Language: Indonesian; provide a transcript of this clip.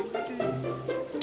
oh ini dia